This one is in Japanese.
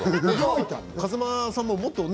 風間さんも、もっとね。